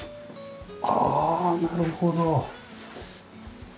ああなるほど。